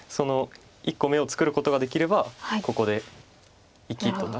１個眼を作ることができればここで生きとなる。